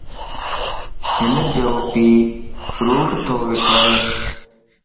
ھنجو پي ڦروٽ تو وڪڻ